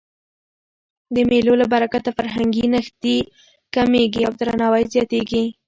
د مېلو له برکته فرهنګي نښتي کمېږي او درناوی زیاتېږي.